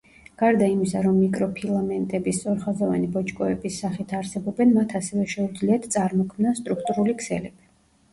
გარდა იმისა, რომ მიკროფილამენტები სწორხაზოვანი ბოჭკოების სახით არსებობენ, მათ ასევე შეუძლიათ წარმოქმნან სტრუქტურული ქსელები.